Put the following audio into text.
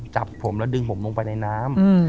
จับผมแล้วดึงผมลงไปในน้ำ